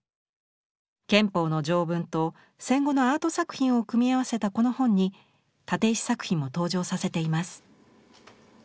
憲法の条文と戦後のアート作品を組み合わせたこの本に立石作品も登場させています。